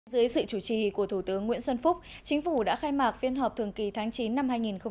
dưới sự chủ trì của thủ tướng nguyễn xuân phúc chính phủ đã khai mạc phiên họp thường kỳ tháng chín năm hai nghìn một mươi chín